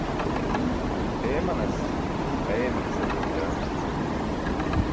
Eemanas ayeemanasar damjaar.